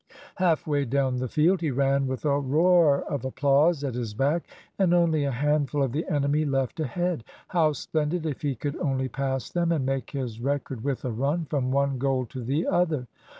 Half way down the field he ran with a roar of applause at his back, and only a handful of the enemy left ahead. How splendid if he could only pass them, and make his record with a run from one goal to the other!